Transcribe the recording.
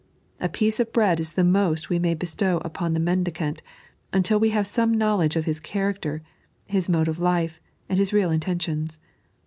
A piece of bread is the most we may bestow upon the mendicant, until we have some knowledge of his character, his mode of life, and his real intentions.